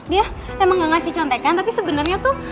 dia emang gak ngasih contekan tapi sebenarnya tuh